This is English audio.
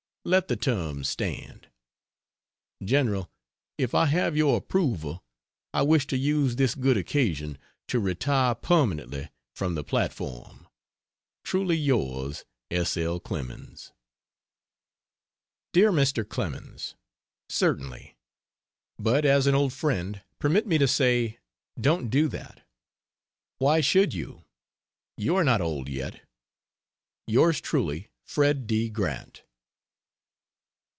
Let the terms stand. General, if I have your approval, I wish to use this good occasion to retire permanently from the platform. Truly yours S. L. CLEMENS. DEAR MR. CLEMENS, Certainly. But as an old friend, permit me to say, Don't do that. Why should you? you are not old yet. Yours truly, FRED D. GRANT.